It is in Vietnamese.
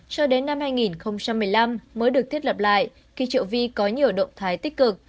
cho đến năm hai nghìn một mươi năm mới được thiết lập lại khi triệu vi có nhiều động thái tích cực